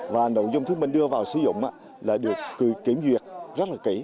và nội dung thuyết minh đưa vào sử dụng là được kiểm duyệt rất là kỹ